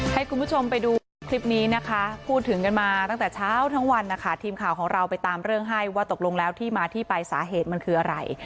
ให้คุณผู้ชมไปดูคลิปนี้นะคะพูดถึงกันมาตั้งแต่เช้าทั้งวันนะคะทีมข่าวของเราไปตามเรื่องให้ว่าตกลงแล้วที่มาที่ไปสาเหตุมันคืออะไร